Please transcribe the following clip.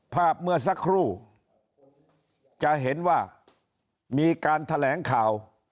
ภาพเมื่อสักครู่จะเห็นว่ามีการแถลงข่าว